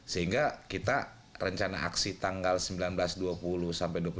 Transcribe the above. sehingga kita rencana aksi tanggal sembilan belas dua puluh sampai dua puluh satu